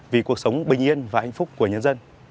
vì cuộc sống bình yên và hạnh phúc của nhân dân